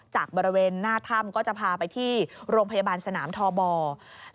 จากบริเวณหน้าถ้ำก็จะพาไปที่โรงพยาบาลสนามทอบอร์